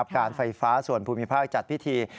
การไฟฟ้าส่วนภูมิภาคจัดพิธี